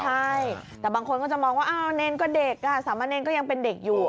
ใช่แต่บางคนก็จะมองว่าอ้าวเนรก็เด็กสามะเนรก็ยังเป็นเด็กอยู่